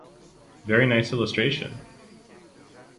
Very nice illustration!